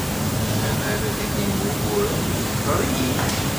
Lemmer ad d-ilin wuguren, ɣer-iyi-d.